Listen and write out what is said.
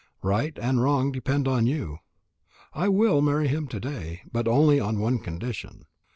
Right and wrong depend on you. I will marry him to day, but only on one condition.